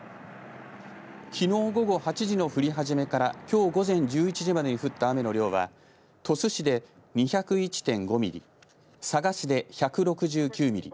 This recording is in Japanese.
きのう午後８時の降り始めからきょう午前１１時までに降った雨の量は鳥栖市で２０１．５ミリ佐賀市で１６９ミリ